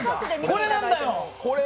これなんだよ！